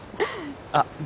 あっ僕